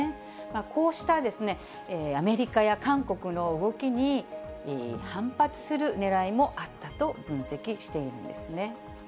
こうしたアメリカや韓国の動きに反発するねらいもあったと分析しているんですね。